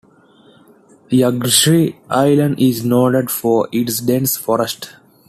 Yagishiri Island is noted for its dense forest.